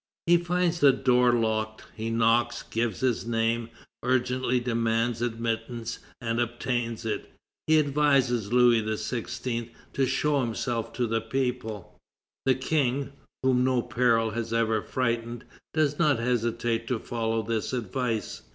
He finds the door locked; he knocks, gives his name, urgently demands admittance, and obtains it. He advises Louis XVI. to show himself to the people. The King, whom no peril has ever frightened, does not hesitate to follow this advice.